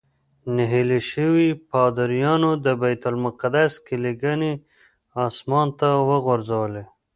نهیلي شویو پادریانو د بیت المقدس کیلي ګانې اسمان ته وغورځولې.